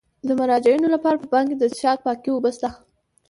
د مراجعینو لپاره په بانک کې د څښاک پاکې اوبه شته.